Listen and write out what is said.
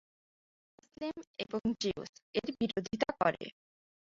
মুসলিম এবং জিউস এর বিরোধিতা করে।